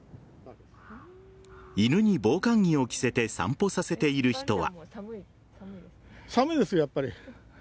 犬に防寒着を着せて散歩させている人は。